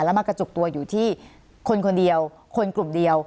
แล้วมากระจุกตัวอยู่ที่คนคนเดียวคนกลุ่มเดียว